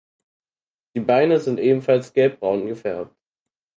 Die Beine sind ebenfalls gelbbraun gefärbt.